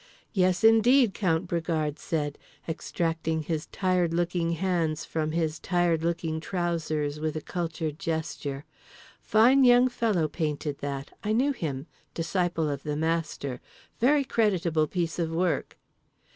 —"Yes, indeed," Count Bragard said, extracting his tired looking hands from his tired looking trousers with a cultured gesture. "Fine young fellow painted that. I knew him. Disciple of the master. Very creditable piece of work."